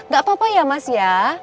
gak apa apa ya mas ya